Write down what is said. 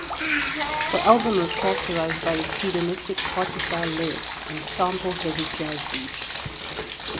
The album was characterized by its hedonistic party-style lyrics and sample-heavy jazz beats.